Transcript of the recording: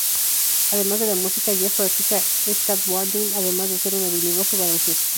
Además de la música, Jeff practica el Skateboarding, además de ser un habilidoso baloncestista.